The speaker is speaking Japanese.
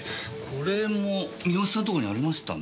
これも三好さんとこにありましたね。